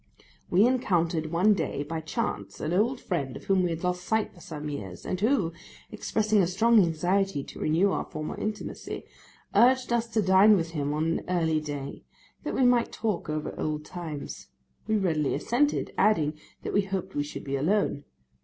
We encountered one day, by chance, an old friend of whom we had lost sight for some years, and who—expressing a strong anxiety to renew our former intimacy—urged us to dine with him on an early day, that we might talk over old times. We readily assented, adding, that we hoped we should be alone.